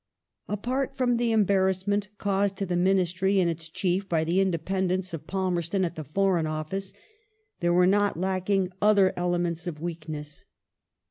Apai't from the embarrassment caused to the Ministry and its chief by the independence of Palmei ston at the Foreign Office, there were not lacking other elements of weakness.